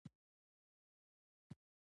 د کورنۍ لپاره څه راوړئ؟